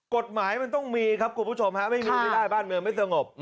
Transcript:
กฎหมายมันต้องมีครับคุณผู้ชมครับไม่มีอุณหลายบ้านเมืองไม่เศร้างบ